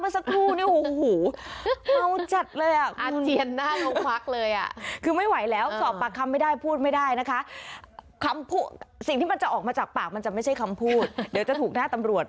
สิ่งที่มันจะออกมาจากปากมันจะไม่ใช่คำพูดเดี๋ยวจะถูกหน้าตำรวจ